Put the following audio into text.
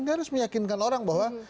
dia harus meyakinkan orang bahwa